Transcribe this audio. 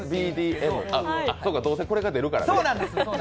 どうせこれが出るからね。